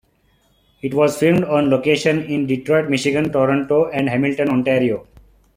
It was filmed on location in Detroit Michigan, Toronto and Hamilton Ontario.